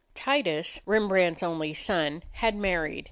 Titus, Rembrandt's only son, had married.